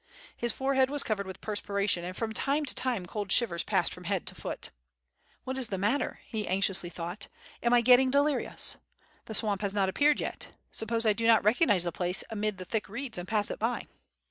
His forehead was covered with perspiration, and from time to time cold shivers passed from head to foot. "What is the matter," he anxiously thought, "am I getting delirious? The swamp has not appeared yet. Suppose I do not recognize the place amid the thick reeds and pass it by?"